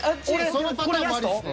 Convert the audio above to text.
そのパターンもありっすね。